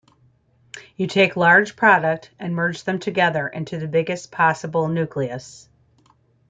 You take large product and merge them together into the biggest possible nucleus.